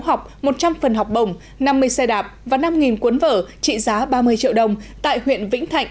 học một trăm linh phần học bổng năm mươi xe đạp và năm cuốn vở trị giá ba mươi triệu đồng tại huyện vĩnh thạnh